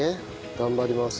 頑張ります。